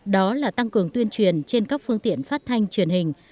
đó là tăng cường tuyên truyền trên các phương tiện phát thanh truyền hình